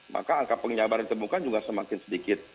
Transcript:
maka angka penyebaran yang ditemukan juga semakin sedikit